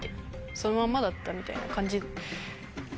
そのまんまだったみたいな感じ。